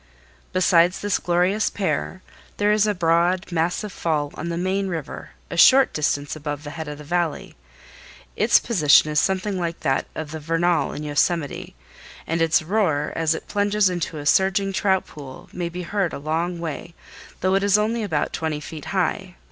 Besides this glorious pair there is a broad, massive fall on the main river a short distance above the head of the Valley. Its position is something like that of the Vernal in Yosemite, and its roar as it plunges into a surging trout pool may be heard a long way, though it is only about twenty feet high.